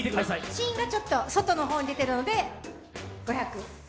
芯がちょっと外の方に出てるので５００？